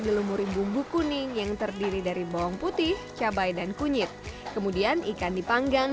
dilumuri bumbu kuning yang terdiri dari bawang putih cabai dan kunyit kemudian ikan dipanggang